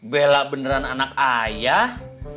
belah beneran anak ayah